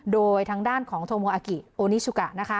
โดยทางด้านของโทโมอากิโอนิชุกะนะคะ